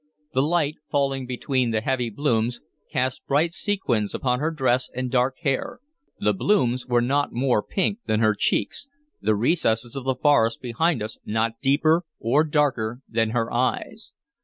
The light, falling between the heavy blooms, cast bright sequins upon her dress and dark hair. The blooms were not more pink than her cheeks, the recesses of the forest behind us not deeper or darker than her eyes.